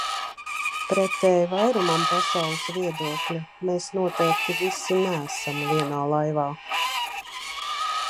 Pretēji vairumam pasaules viedokļa, mēs noteikti visi neesam vienā laivā.